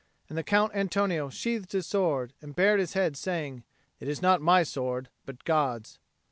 And the Count Antonio sheathed his sword, and bared his head, saying, "It is not my sword, but God's."